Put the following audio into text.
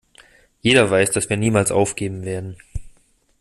Jeder weiß, dass wir niemals aufgeben werden!